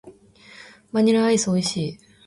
バニラアイス美味しい。